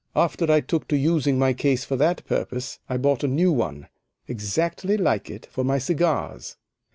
After I took to using my case for that purpose I bought a new one, exactly like it, for my cigars.